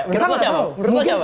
menurut lo siapa